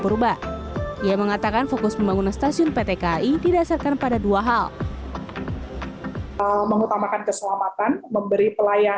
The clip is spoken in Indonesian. berubah ia mengatakan fokus pembangunan stasiun pt kri didasarkan pada dua halthe